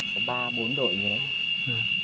có ba bốn đội như thế